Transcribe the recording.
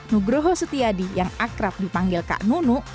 nugroho setiadi yang akrab dipanggil kak nunuk